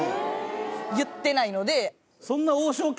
言ってないので。